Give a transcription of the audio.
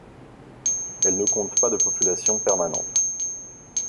Elle ne compte pas de population permanente.